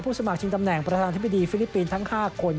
สมัครชิงตำแหน่งประธานธิบดีฟิลิปปินส์ทั้ง๕คน